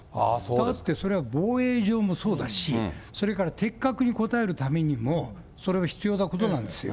だって、それは防衛上もそうだし、それから的確に答えるためにもそれは必要なことなんですよ。